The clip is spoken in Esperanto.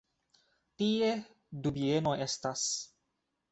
Tie du bienoj estas.